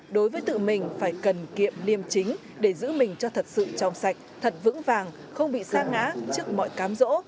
đối với tự mình phải cần kiệm liêm chính để giữ mình cho thật sự trong sạch thật vững vàng không bị sa ngã trước mọi cám rỗ